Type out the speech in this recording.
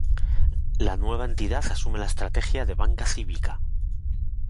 La nueva entidad asume la estrategia de Banca Cívica.